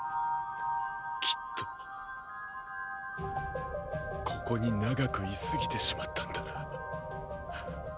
きっとここに長く居すぎてしまったんだな。